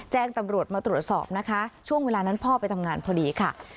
แจ้งตำรวจมาตรวจสอบนะคะช่วงเวลานั้นพ่อไปทำงานพอดีค่ะ